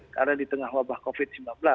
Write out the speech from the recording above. karena di tengah wabah covid sembilan belas